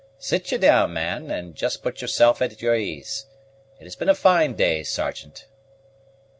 Sit ye down, man, and just put yourself at your ease. It has been a fine day, Sergeant."